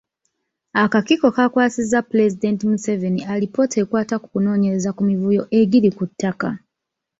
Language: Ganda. Akakiiko kaakwasizza Pulezidenti Museveni alipoota ekwata ku kunoonyereza ku mivuyo egiri ku ttaka.